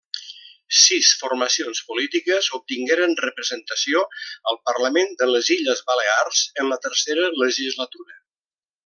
Sis formacions polítiques obtingueren representació al Parlament de les Illes Balears en la Tercera Legislatura.